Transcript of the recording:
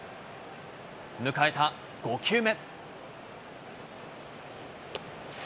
迎えた５球目。